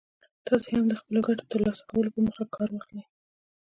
تاسې هم د خپلو ګټو ترلاسه کولو په موخه کار واخلئ.